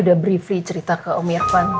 udah gue pikir jangan weren't